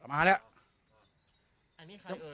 พระต่ายสวดมนต์